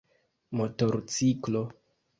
motorciklo